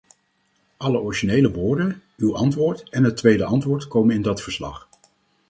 Alle originele woorden, uw antwoord en het tweede antwoord komen in dat verslag.